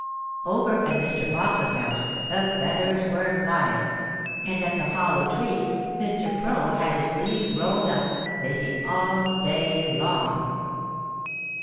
Over at Mr. Fox's house the feathers were flying, and at the Hollow Tree Mr. Crow had his sleeves rolled up, baking all day long.